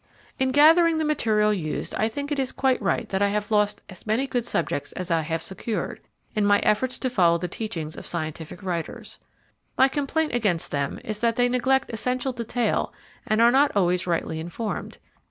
In gathering the material used I think it is quite true that I have lost as many good subjects as I have secured, in my efforts to follow the teachings of scientific writers. My complaint against them is that they neglect essential detail and are not always rightly informed.